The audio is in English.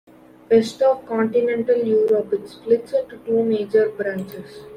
West of Continental Europe, it splits into two major branches.